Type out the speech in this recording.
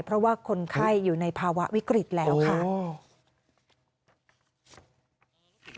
เพราะว่าคนไข้อยู่ในภาวะวิกฤตแล้วค่ะ